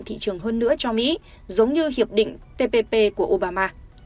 thị trường hơn nữa cho mỹ giống như hiệp định tpp của obama